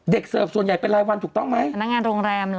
เด็กเสิร์ฟส่วนใหญ่เป็นรายวันถูกต้องไหม